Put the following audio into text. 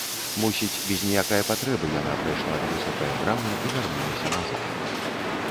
Мусіць, без ніякае патрэбы яна прайшла да высокае брамы і вярнулася назад.